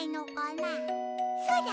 そうだ。